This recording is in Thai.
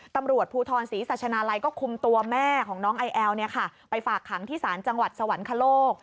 ตำรวจภูทรศรีสัชนาลัยก็คุมตัวแม่ของน้องไอแอลไปฝากขังที่ศาลจังหวัดสวรรคโลก